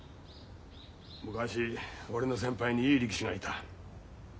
昔俺の先輩にいい力士がいた。